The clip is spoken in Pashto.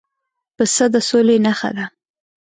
پسه د سولې نښه ده.